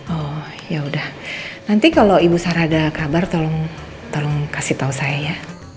oh yaudah nanti kalau ibu sarah ada kabar tolong kasih tahu saya ya